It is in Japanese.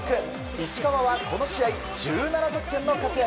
石川はこの試合１７得点の活躍。